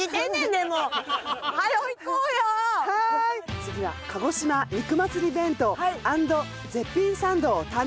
次は「鹿児島肉祭り弁当＆絶品サンドを堪能！」